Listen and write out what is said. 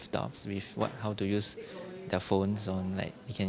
mereka memiliki pertanyaan tentang cara menggunakan telepon